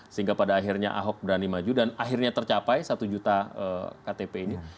sehingga pada akhirnya ahok berani maju dan akhirnya tercapai satu juta ktp ini